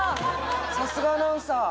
さすがアナウンサー。